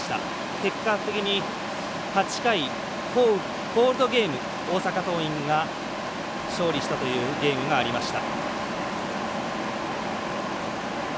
結果的に８回降雨コールドゲーム大阪桐蔭が勝利したというゲームになりました。